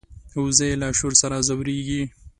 وزې له شور سره ځورېږي